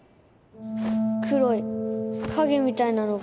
黒い影みたいなのが